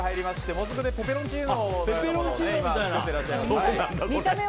もずくのペペロンチーノ？